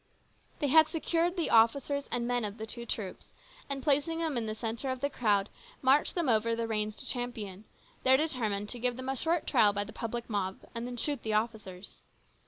They had secured the officers and men of the two troops, and, placing them in the centre of the crowd, marched them over the range to Champion, there determined to give them a short trial by the public mob and then shoot the officers.